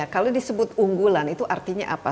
kalau disebut unggulan itu artinya apa